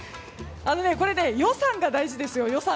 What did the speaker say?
予算が大事ですよ。